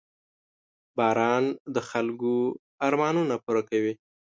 • باران د خلکو ارمانونه پوره کوي.